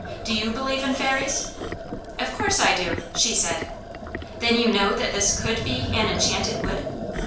Do you believe in Fairies?" "Of course I do!" she said. "Then you know that this COULD be an Enchanted Wood?"